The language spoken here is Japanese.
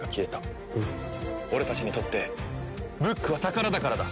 俺たちにとってブックは宝だからだ。